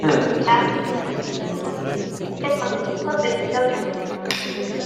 Las semillas tienen una superficie con dibujos de nido de abeja.